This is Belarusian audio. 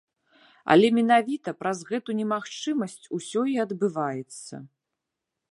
Але менавіта праз гэту немагчымасць усё і адбываецца.